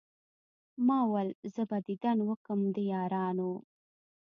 ما ول زه به ديدن وکم د يارانو